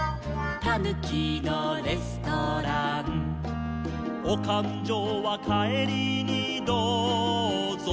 「たぬきのレストラン」「おかんじょうはかえりにどうぞと」